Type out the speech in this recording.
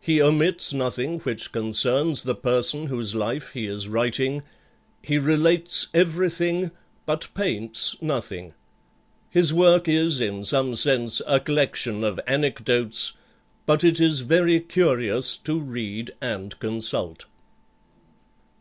He omits nothing which concerns the person whose life he is writing; he relates everything, but paints nothing. His work is, in some sense, a collection of anecdotes, but it is very curious to read and consult."